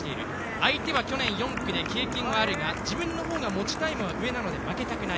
相手は去年４区で経験があるが自分の方が持ちタイムは上なので負けたくない。